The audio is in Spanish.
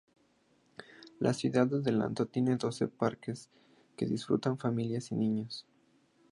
La ciudad de Delano tiene doce parques para que disfruten familias y niños.